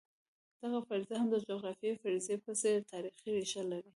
دغه فرضیه هم د جغرافیوي فرضیې په څېر تاریخي ریښه لري.